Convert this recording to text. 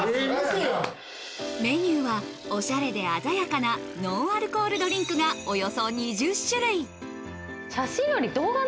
メニューはおしゃれで鮮やかなノンアルコールドリンクが動画？